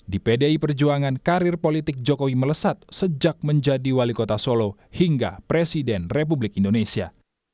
di pdi perjuangan karir politik jokowi melesat sejak menjadi wali kota solo hingga presiden republik indonesia